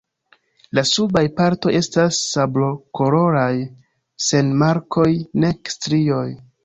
La subaj partoj estas sablokoloraj sen markoj nek strioj.